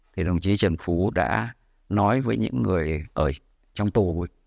thì đồng chí trần phú đã nói với những người ở trong tù